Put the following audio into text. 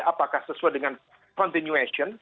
apakah sesuai dengan continuation